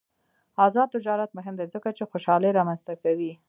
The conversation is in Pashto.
آزاد تجارت مهم دی ځکه چې خوشحالي رامنځته کوي.